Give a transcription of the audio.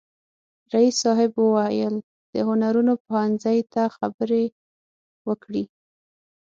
رئیس صاحب وویل د هنرونو پوهنځي ته خبرې وکړي.